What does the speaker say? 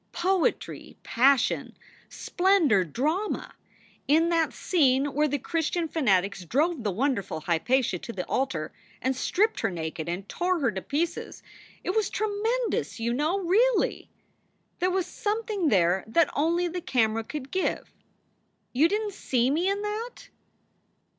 Poetry, passion, splendor, drama. In that scene where the Christian fanatics drove the wonderful Hypatia to the altar and stripped her naked and tore her to pieces it was tre mendous, you know; really! There was something there that only the camera could give. You didn t see me in that